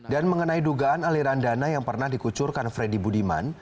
dan mengenai dugaan aliran dana yang pernah dikucurkan freddy budiman